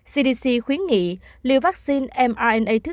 cdc khuyến nghị liều vaccine mrna thứ ba